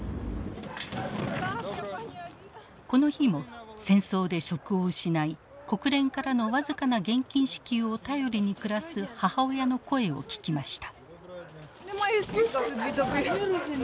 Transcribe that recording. この日も戦争で職を失い国連からの僅かな現金支給を頼りに暮らす母親の声を聞きました。